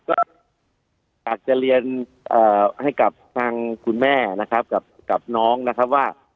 ก็อยากจะเรียนให้กับทางคุณแม่นะครับกับน้องนะครับว่า